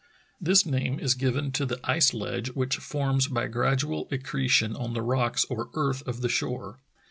This name is given to the ice ledge which forms by gradual accre tion on the rocks or earth of the shore.